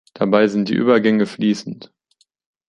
Dabei sind die Übergänge fließend.